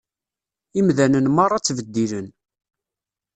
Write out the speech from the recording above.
Imdanen meṛṛa ttbeddilen.